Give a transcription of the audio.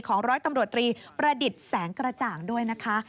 ร้อยตำรวจตรีประดิษฐ์แสงกระจ่างด้วยนะคะ